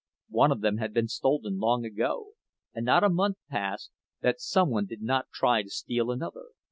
One of them had been stolen long ago, and not a month passed that some one did not try to steal another.